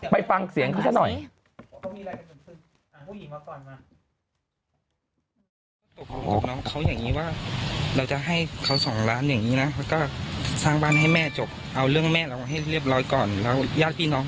ไปฟังเสียงเขาซะหน่อย